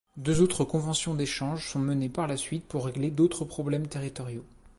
Deux autres conventions d'échanges sont menées par la suite pour régler d'autres problèmes territoriaux.